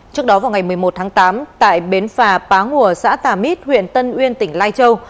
trước đó vào ngày một mươi một tháng tám tại bến phà pá ngùa xã tà mít huyện tân uyên tỉnh lai châu